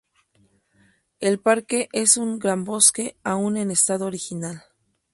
El parque es un gran bosque aún en estado original.